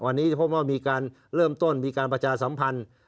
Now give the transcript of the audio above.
วันนี้พวกเราเริ่มต้นมีการประชาสัมพันธ์